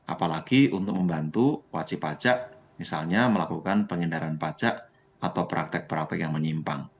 apalagi untuk membantu wajib pajak misalnya melakukan pengendaraan pajak atau praktek praktek yang menyimpang